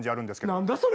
何だそれ。